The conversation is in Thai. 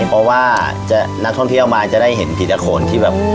เพราะว่านักท่องเที่ยวมาจะได้เห็นผีตะโขนที่แบบ